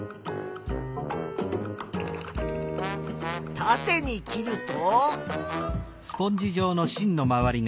たてに切ると。